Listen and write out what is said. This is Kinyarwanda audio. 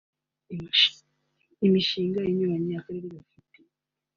imishinga inyuranye Akarere gafite